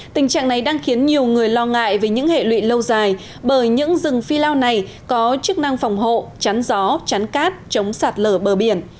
tình trạng này đang khiến nhiều người lo ngại về những hệ lụy lâu dài bởi những rừng phi lao này có chức năng phòng hộ chắn gió chắn cát chống sạt lở bờ biển